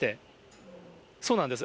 そうなんです。